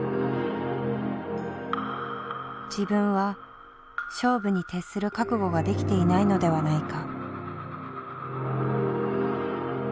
自分は勝負に徹する覚悟ができていないのではないか。